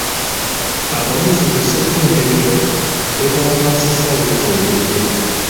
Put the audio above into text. Abayizi ku ssettendekero beekalakaasa wiiki ewedde.